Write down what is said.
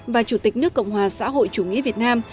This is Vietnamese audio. và chủ tịch nước cộng hòa xã hội chủ nghĩa việt nam